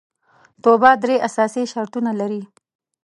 توبه درې اساسي شرطونه لري